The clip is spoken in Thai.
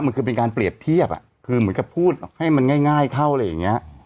มันคือเป็นการเปรียบเทียบคือเหมือนกับพูดให้มันง่ายเข้าอะไรอย่างนี้